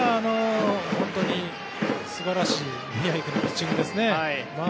本当に素晴らしい宮城君のピッチングですね。